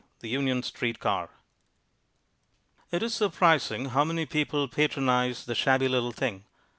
The Union Street Car It is surprising how many people patronize the shabby little thing.